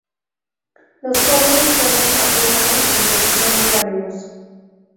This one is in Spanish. Los jóvenes forman cardúmenes sobre el fondo arenoso.